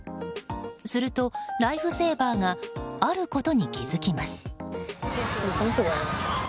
するとライフセーバーがあることに気づきます。